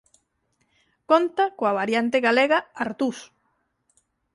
Conta coa variante galega Artús.